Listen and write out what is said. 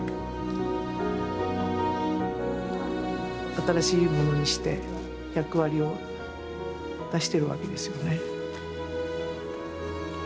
新しいものにして役割を出しているわけですよね。